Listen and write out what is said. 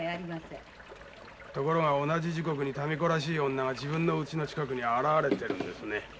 ところが同じ時刻に民子らしい女が自分の家の近くに現れてるんですね。